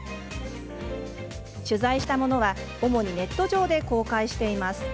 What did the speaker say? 取材したものは主にネット上で公開しています。